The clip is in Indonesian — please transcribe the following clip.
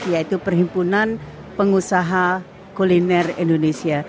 yaitu perhimpunan pengusaha kuliner indonesia